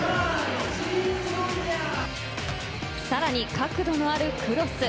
更に、角度のあるクロス。